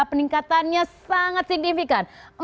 peningkatannya sangat signifikan